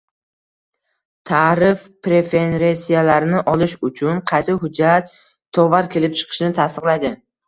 Tarif preferentsiyalarini olish uchun qaysi hujjat tovar kelib chiqishini tasdiqlaydi?